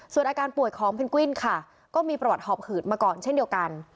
ส่วนอาการป่วยของเพนกวินค่ะก็มีประวัติหอบหืดมาก่อนเช่นเดียวกัน